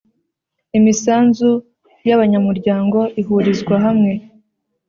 imisanzu y’ abanyamuryango ihurizwa hamwe.